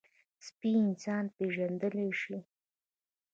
سپي انسان پېژندلی شي.